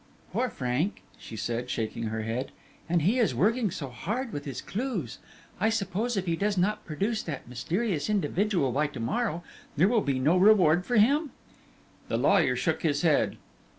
"Poor Frank," she said, shaking her head, "and he is working so hard with his clues! I suppose if he does not produce that mysterious individual by to morrow there will be no reward for him?" The lawyer shook his head.